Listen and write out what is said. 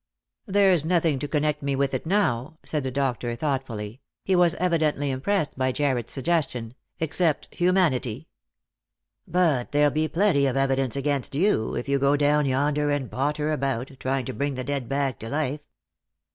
" There's nothing to connect me with it now," said the doctor thoughtfully — he was evidently impressed by Jarred's sugges tion —" except humanity." " But there'll be plenty of evidence against you, if you go down yonder and potter about, trying to bring the dead back to life."